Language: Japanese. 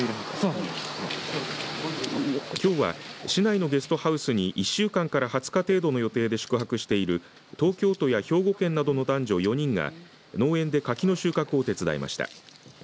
きょうは市内のゲストハウスに１週間から２０日程度の予定で宿泊している東京都や兵庫県などの男女４人が農園で柿の収穫を手伝いました。